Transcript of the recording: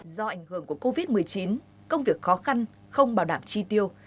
do ảnh hưởng của covid một mươi chín công việc khó khăn không bảo đảm chi tiêu